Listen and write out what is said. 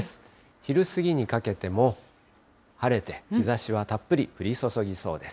昼過ぎにかけても、晴れて日ざしはたっぷり降り注ぎそうです。